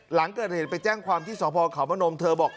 หลังเกิดเหตุไปแจ้งความที่สพเขาพนมเธอบอก